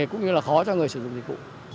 cũng như là khó cho người sử dụng dịch vụ